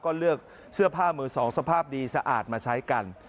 ก็เลือกเสื้อผ้ามือสองสภาพดีสะอาดมาใช้กัน